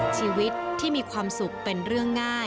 ชีวิตที่มีความสุขเป็นเรื่องง่าย